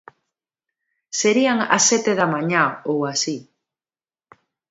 Serían as sete da mañá ou así.